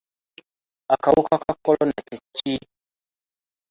Akawuka ka kolona kye ki?